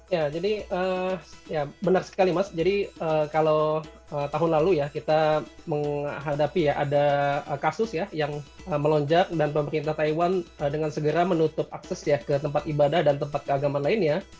ya jadi benar sekali mas jadi kalau tahun lalu ya kita menghadapi ya ada kasus ya yang melonjak dan pemerintah taiwan dengan segera menutup akses ya ke tempat ibadah dan tempat keagamaan lainnya